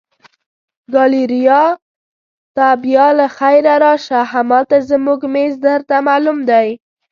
ګالیریا ته بیا له خیره راشه، همالته زموږ مېز درته معلوم دی.